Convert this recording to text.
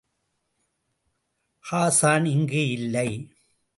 ஹாசான் இங்கு இல்லை.